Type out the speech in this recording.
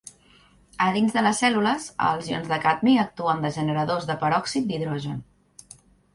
A dins de les cèl·lules, els ions de cadmi actuen de generadors de peròxid d'hidrogen.